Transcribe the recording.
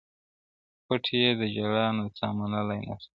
پټ یې د زړه نڅا منلای نه سم -